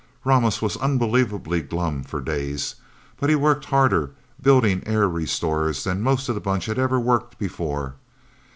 Ramos was unbelievably glum for days. But he worked harder building air restorers than most of the Bunch had ever worked before.